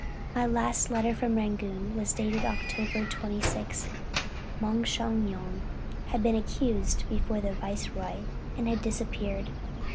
"My last letter from Rangoon was dated Oct. 26. Moung Shwa gnong had been accused before the viceroy, and had disappeared.